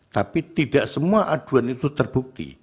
tapi tidak semua aduan itu terbukti